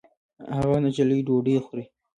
هغه نجلۍ ډوډۍ خوري